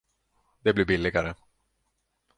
Det blir billigare.